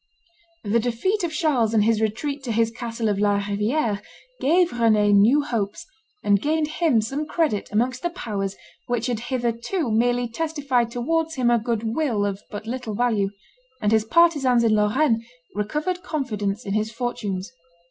The defeat of Charles and his retreat to his castle of La Riviere gave Rend new hopes, and gained him some credit amongst the powers which had hitherto merely testified towards him a good will of but little value; and his partisans in Lorraine recovered confidence in his for tunes.